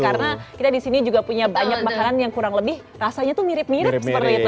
karena kita di sini juga punya banyak makanan yang kurang lebih rasanya tuh mirip mirip seperti itu ya